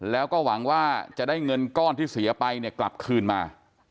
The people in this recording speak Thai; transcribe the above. แล้วก็หวังว่าจะได้เงินก้อนที่เสียไปเนี่ยกลับคืนมา